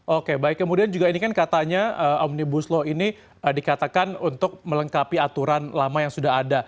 oke baik kemudian juga ini kan katanya omnibus law ini dikatakan untuk melengkapi aturan lama yang sudah ada